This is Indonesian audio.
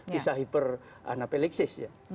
bisa hiperanapeliksis ya